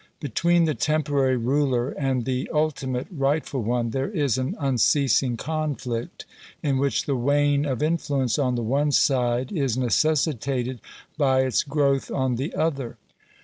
Between the temporary ruler and the ultimate rightful one, there is an unceasing conflict, in which the wane of influence on the one side is necessitated by its growth on the other.